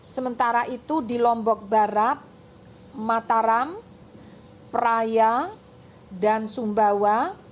sementara itu di lombok barat mataram praia dan sumbawa